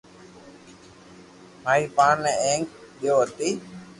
ماري ٻآن ني ھيک ديديو ھتي